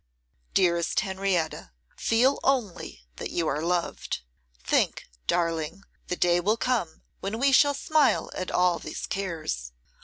'Dearest Henrietta! feel only that you are loved. Think, darling, the day will come when we shall smile at all these cares.